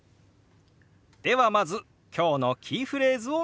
ではまず今日のキーフレーズを見てみましょう。